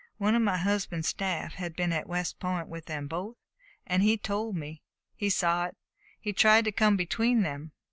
One of my husband's staff had been at West Point with them both, and he told me. He saw it, and tried to come between them.